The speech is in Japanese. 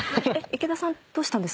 イケダさんどうしたんです？